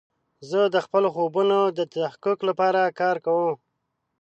زه د خپلو خوبونو د تحقق لپاره کار کوم.